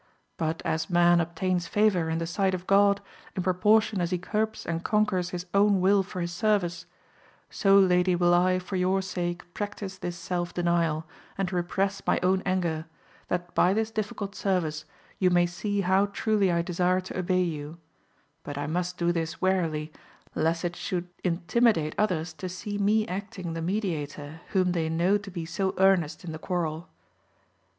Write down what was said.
Bat as man obtains favour in the sight of God in proportion as he curbs and conquers his own will for his service, so lady will I for your sake practise this self denial, and repress my own anger, that by this difficult service you may see how truly I desire to obey you ; but I must do this warily, lest it should intimidate others to see me acting the mediator, whom they know to be so earnest in the quarrel.